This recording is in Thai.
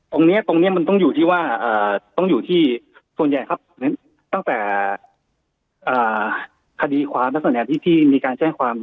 ตรงนี้มันต้องอยู่ที่ว่าต้องอยู่ที่ส่วนใหญ่ครับตั้งแต่คดีความและแสดงแนวที่พี่มีการแช่งความ